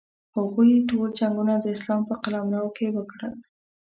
هغوی ټول جنګونه د اسلام په قلمرو کې وکړل.